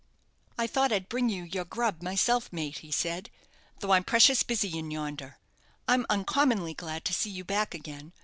"I thought I'd bring you your grub myself, mate," he said; "though I'm precious busy in yonder. I'm uncommonly glad to see you back again.